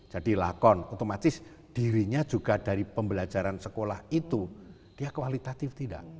jadi lakon otomatis dirinya juga dari pembelajaran sekolah itu kualitatif tidak